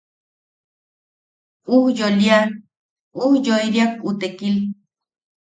Ujyoilia... ujyoiriak u tekil.